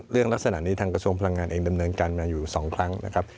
เรื่องลักษณะนี้ทางกระชวงพลังงานเองดำเนินการมาอยู่๒ครั้ง